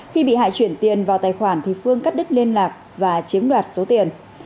khi bị hại chuyển tiền vào tài khoản thì phương cắt đứt liên lạc và chiếm đoạt số tiền